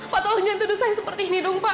pak tolong jangan tuduh saya seperti ini pak